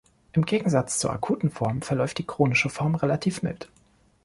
Im Gegensatz zur akuten Form verläuft die chronische Form relativ mild.